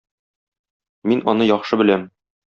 Мин аны яхшы беләм.